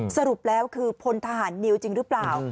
สรุปแล้วคือพลทหารนิวจริงหรือเปล่า